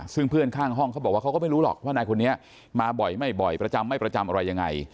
ซึ่งเพื่อนข้างห้องเขาบอกว่าเขาก็ไม่รู้หรอกว่านายคนนี้มาบ่อยไม่บ่อยประจำไม่ประจำอะไรยังไง